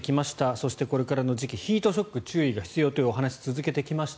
そして、これからの時期ヒートショックに注意が必要というお話を続けてきました。